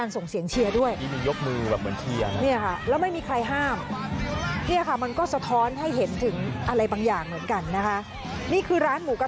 ต้องหนีสิครับอืม